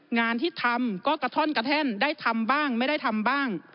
งานที่ทำก็กระท่อนกระแท่นได้ทำบ้างไม่ได้ทำบ้าง